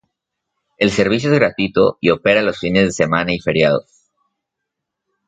El servicio es gratuito y opera los fines de semana y feriados.